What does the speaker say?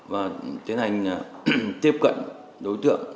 và tiến hành tiếp cận đối tượng